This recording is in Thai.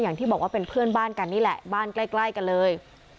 อย่างที่บอกว่าเป็นเพื่อนบ้านกันนี่แหละบ้านใกล้กันเลย